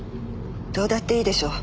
どうだっていいでしょ。